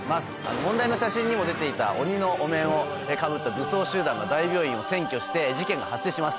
問題の写真にも出ていた鬼のお面をかぶった武装集団が大病院を占拠して事件が発生します。